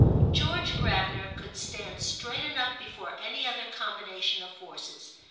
George Gravener could stand straight enough before any other combination of forces.